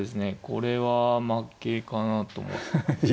これは負けかなと思って。